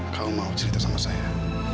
kalau mau cerita sama saya